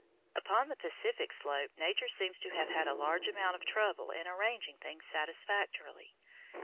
Upon the Pacific slope Nature seems to have had a large amount of trouble in arranging things satisfactorily.